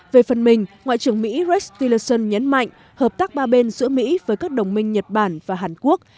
về phần mình ngoại trưởng mỹ rece stilelson nhấn mạnh hợp tác ba bên giữa mỹ với các đồng minh nhật bản và hàn quốc